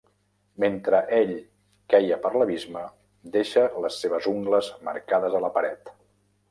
Mentre ell queia per l'abisme, deixa les seves ungles marcades a la paret.